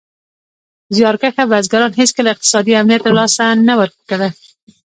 زیار کښه بزګران هېڅکله اقتصادي امنیت تر لاسه نه کړ.